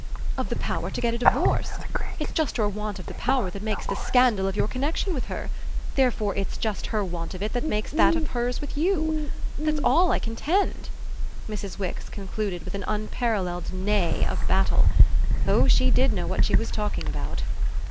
"Of the power to get a divorce? It's just your want of the power that makes the scandal of your connexion with her. Therefore it's just her want of it that makes that of hers with you. That's all I contend!" Mrs. Wix concluded with an unparalleled neigh of battle. Oh she did know what she was talking about!